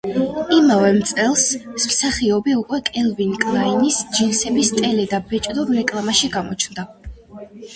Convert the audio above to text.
იმავე წელს მსახიობი უკვე კელვინ კლაინის ჯინსების ტელე და ბეჭდურ რეკლამაში გამოჩნდა.